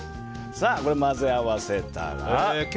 これを混ぜ合わせたら。